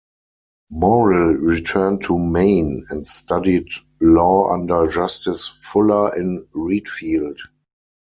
Morrill returned to Maine and studied law under Justice Fuller in Readfield.